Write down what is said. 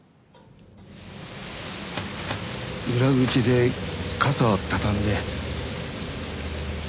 裏口で傘たたんで。